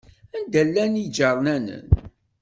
Anda llan iǧarnanen?